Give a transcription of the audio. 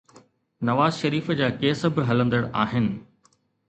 نواز شريف جا ڪيس به هلندڙ آهن.